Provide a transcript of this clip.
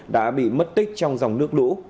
đã bị mất tích trong dòng nước lũ